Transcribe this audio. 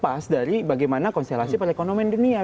kita harus lepas dari bagaimana konstelasi pada ekonomi indonesea